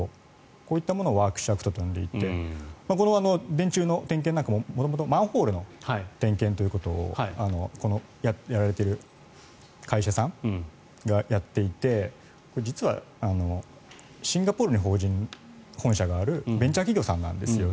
こういったものをワーキッシュアクトと呼んでいてこの電柱の点検なんかも元々、マンホールの点検をやられている会社さんがやっていて実は、シンガポールの法人本社があるベンチャー企業さんなんです。